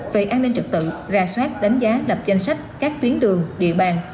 về an ninh trực tự ra soát đánh giá đập danh sách các tuyến đường địa bàn